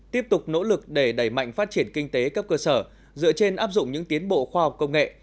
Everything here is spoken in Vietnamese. tiếp tục nỗ lực để đẩy mạnh phát triển kinh tế cấp cơ sở dựa trên áp dụng những tiến bộ khoa học công nghệ